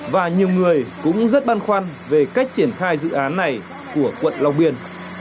và nhiều người cũng rất băn khoăn về cách triển khai dự án này của quận long biên